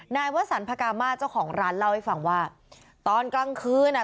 นายวสันพกามาเจ้าของร้านเล่าให้ฟังว่าตอนกลางคืนอ่ะ